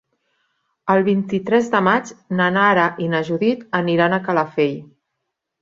El vint-i-tres de maig na Nara i na Judit aniran a Calafell.